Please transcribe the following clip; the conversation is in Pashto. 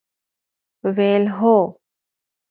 ویل ، هو!